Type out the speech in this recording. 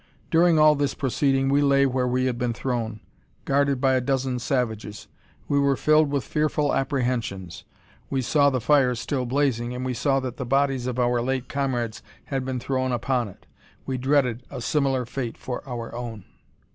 During all this proceeding we lay where we had been thrown, guarded by a dozen savages. We were filled with fearful apprehensions. We saw the fire still blazing, and we saw that the bodies of our late comrades had been thrown upon it. We dreaded a similar fate for our own.